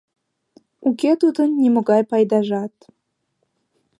Уке тудын нимогай пайдажат.